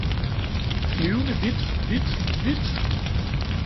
flyvende vidt, vidt, vidt!